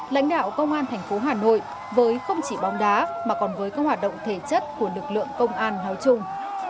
lãnh đạo công an thành phố hà nội với không chỉ bóng đá mà còn với các hoạt động thể chất của lực lượng công an nói chung